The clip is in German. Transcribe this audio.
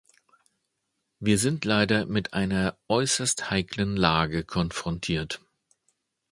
Wir sind leider mit einer äußerst heiklen Lage konfrontiert.